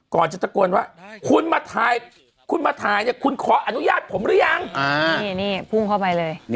ก่อนจะตะโกนว่าคุณมาถ่ายคุณมาถ่ายเนี่ยคุณขออนุญาตผมหรือยังนี่พุ่งเข้าไปเลย